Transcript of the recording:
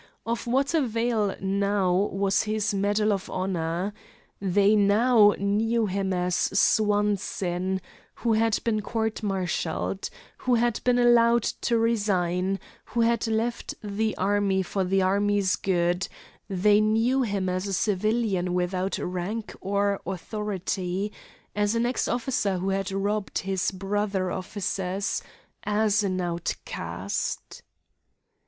Of what avail now was his medal of honor? They now knew him as Swanson, who had been court martialled, who had been allowed to resign, who had left the army for the army's good; they knew him as a civilian without rank or authority, as an ex officer who had robbed his brother officers, as an outcast.